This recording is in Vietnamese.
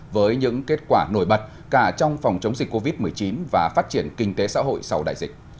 với những kết quả nổi bật cả trong phòng chống dịch covid một mươi chín và phát triển kinh tế xã hội sau đại dịch